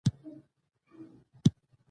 غوږونه له خوشحالۍ نه سندره وايي